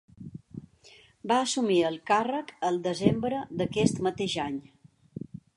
Va assumir el càrrec al desembre d'aquest mateix any.